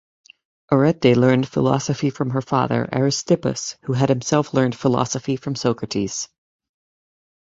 Arete learned philosophy from her father, Aristippus, who had himself learned philosophy from Socrates.